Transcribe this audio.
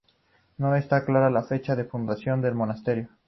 No está clara la fecha de fundación del monasterio.